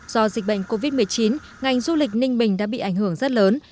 do dịch bệnh covid một mươi chín ngành du lịch ninh bình đã bị ảnh hưởng rất lớn